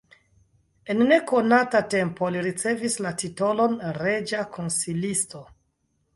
En nekonata tempo li ricevis la titolon reĝa konsilisto.